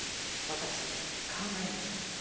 私考えました。